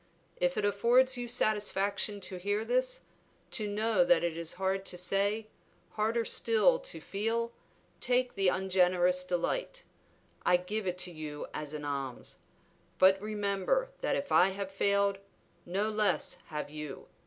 If it affords you satisfaction to hear this, to know that it is hard to say, harder still to feel, take the ungenerous delight; I give it to you as an alms. But remember that if I have failed, no less have you.